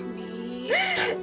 bibi tenang ya